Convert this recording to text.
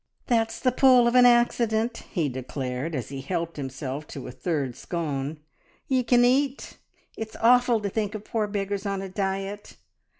"That's the pull of an accident," he declared, as he helped himself to a third scone, "ye can eat! It's awful to think of poor beggars on a diet.